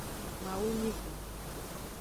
Mawu nyi gan.